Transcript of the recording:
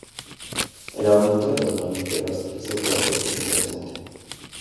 El aumento de los mamíferos es otro aspecto interesante.